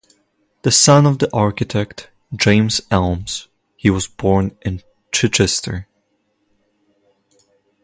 The son of the architect, James Elmes, he was born in Chichester.